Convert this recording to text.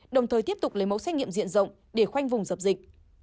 đồng thời tiếp tục lấy mẫu xét nghiệm diện rộng để khoanh vùng dập dịch